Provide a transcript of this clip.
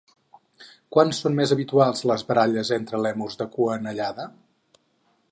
Quan són més habituals les baralles entre lèmurs de cua anellada?